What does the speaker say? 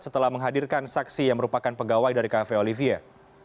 setelah menghadirkan saksi yang merupakan pegawai dari cafe olivier